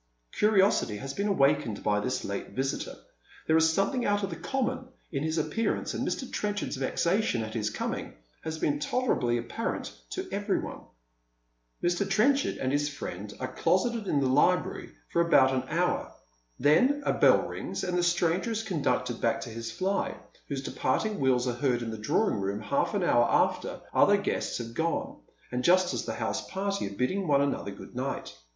Curiosity has been awakened by this late visitor. There is something out of the common in his appearance, and Mr. Tren chard's vexation at his coming has been tolerably apparent to every one. Jod Pilynm. 215 Mr. Trenchard and his friend are closetetf in the library for ubout an hour, then a bell rings, and the stranger is conducted back to his fly, whose departing wheels are heard in the drawing room half an hour after all other guests have gone, and jnst as the house party are bidding one another good night.